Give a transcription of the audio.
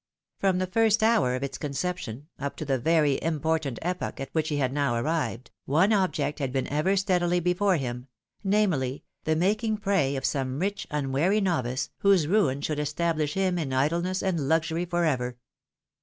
From the first hour of its conception, up to the very important epoch at which he had now arrived, one object had been ever steadily before him, namely, the making prey of some rich, unwary novice, whose ruin should establish him in idleness and luxury for ever.